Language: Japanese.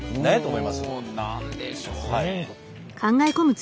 お何でしょうね。